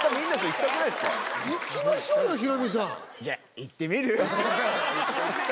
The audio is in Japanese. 行ってみる？